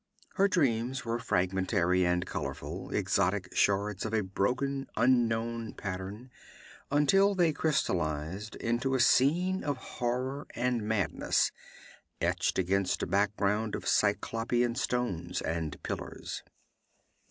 Her dreams were fragmentary and colorful, exotic shards of a broken, unknown pattern, until they crystalized into a scene of horror and madness, etched against a background of cyclopean stones and pillars.